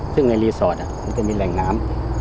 ซึ่งในรีสอร์ทมันจะมีแหล่งน้ำ